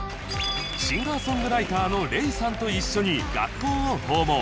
シンガー・ソングライターの Ｒｅｉ さんと一緒に学校を訪問